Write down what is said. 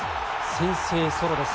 先制ソロです。